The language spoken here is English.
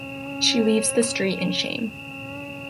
She leaves the Street in shame.